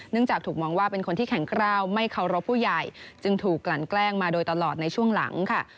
จากถูกมองว่าเป็นคนที่แข็งกล้าวไม่เคารพผู้ใหญ่จึงถูกกลั่นแกล้งมาโดยตลอดในช่วงหลังค่ะ